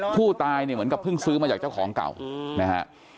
คู่ตายเหมือนกับเพิ่งซื้อมาจากเจ้าของเก่านะครับ